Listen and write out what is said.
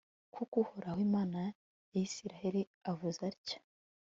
kuko uhoraho, imana ya israheli avuze atya